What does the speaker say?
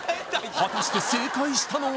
果たして正解したのは？